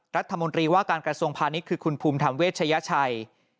รัฐมนตรีว่าการกระทรวงพาณิชย์คือคุณภูมิธรรมเวชยชัย